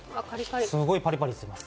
すごいパリパリしてます。